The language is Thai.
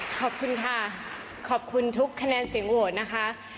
ขอบคุณค่ะขอบคุณทุกคะแนนเสียงโหวตนะคะ